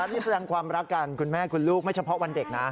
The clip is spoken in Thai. นี่แสดงความรักกันคุณแม่คุณลูกไม่เฉพาะวันเด็กนะ